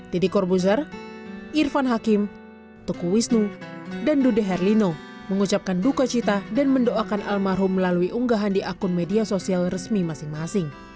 didi korbuzer irfan hakim tuku wisnu dan dude herlino mengucapkan duka cita dan mendoakan almarhum melalui unggahan di akun media sosial resmi masing masing